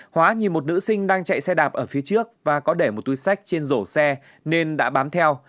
hóa nhìn một nữ sinh đang chạy xe đạp ở phía trước và có để một túi sách trên rổ xe nên đã bám theo